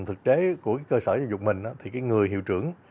thực chế của cơ sở dân dục mình thì cái người hiệu trưởng